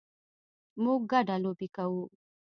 موږ ګډه لوبې کوو